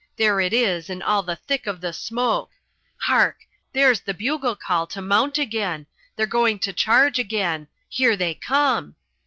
There it is in all the thick of the smoke! Hark! There's the bugle call to mount again! They're going to charge again! Here they come!"